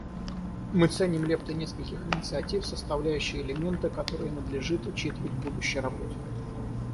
Мы ценим лепты нескольких инициатив, составляющие элементы, которые надлежит учитывать в будущей работе.